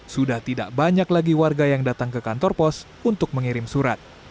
sudah tidak banyak lagi warga yang datang ke kantor pos untuk mengirim surat